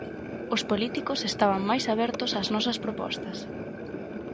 Os políticos estaban máis abertos ás nosas propostas.